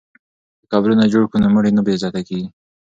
که قبرونه جوړ کړو نو مړي نه بې عزته کیږي.